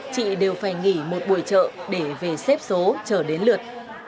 chị đều phải nghỉ một buổi chợ để về xếp số chở đến lượt